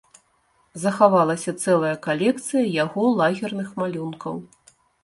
Захавалася цэлая калекцыя яго лагерных малюнкаў.